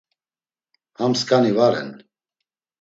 Ham skani va ren.